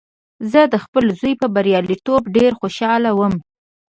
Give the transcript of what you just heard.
زه د خپل زوی په بریالیتوب ډېر خوشحاله وم